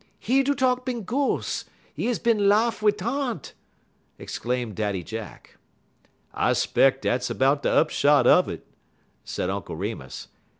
"'E do talk wid ghos'; 'e is bin larf wit' harnt," exclaimed Daddy Jack. "I 'speck dat's 'bout de upshot un it," said Uncle Remus.